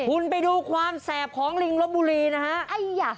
คุณไปดูความแสบของลิงลบบุรีนะฮะ